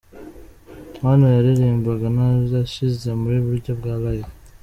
Hano yaririmbaga Narashize mu buryo bwa Live.